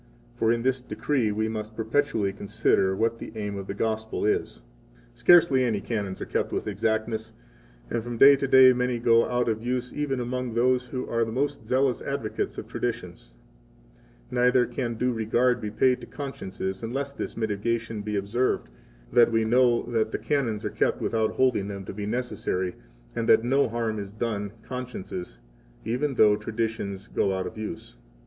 66 For in this decree we must perpetually consider what the aim of the Gospel is. 67 Scarcely any Canons are kept with exactness, and from day to day many go out of use even among those who are the most zealous advocates of traditions. 68 Neither can due regard be paid to consciences unless this mitigation be observed, that we know that the Canons are kept without holding them to be necessary, and that no harm is done consciences, even though traditions go out of use.